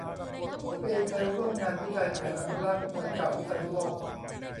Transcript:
ผมเองเคยร่วมงานวิจัยแผนอนุรักษ์เมืองเก่าพิษณุโลก